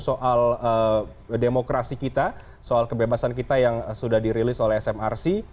soal demokrasi kita soal kebebasan kita yang sudah dirilis oleh smrc